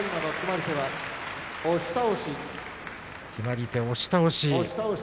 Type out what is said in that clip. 決まり手は押し倒しです。